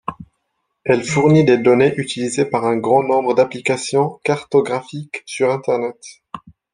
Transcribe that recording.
Elle fournit des données utilisées par un grand nombre d'applications cartographiques sur Internet.